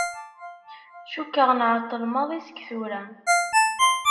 Cukkeɣ nεeṭṭel maḍi seg tura.